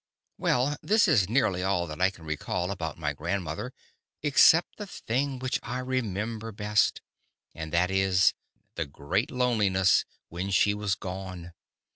Well, this is nearly all that I can recall about my grandmother, except the thing which I remember best; and that is, the great loneliness when she was gone.